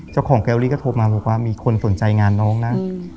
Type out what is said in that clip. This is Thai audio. เจ้าของแอรี่ก็โทรมาบอกว่ามีคนสนใจงานน้องนะ